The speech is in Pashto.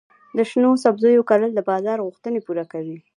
د شنو سبزیو کرل د بازار غوښتنې پوره کوي.